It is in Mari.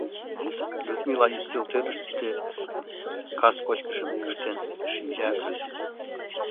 Людмила ӱстелтӧрыштӧ кас кочкышым ыштен шинча ыле.